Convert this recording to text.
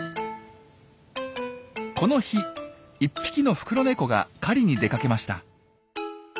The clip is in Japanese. この日１匹のフクロネコが狩りに出かけました。